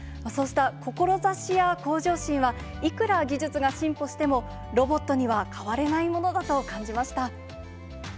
そうした志や向上心は、いくら技術が進歩しても、ロボットには代われないものだと感じました。